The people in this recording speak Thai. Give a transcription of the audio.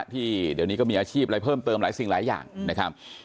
ที่เดี๋ยวนี้ก็มีอาชีพอะไรเพิ่มเติมหลายสิ่งหลายอย่างนะครับ